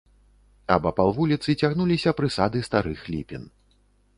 Абапал вуліцы цягнуліся прысады старых ліпін.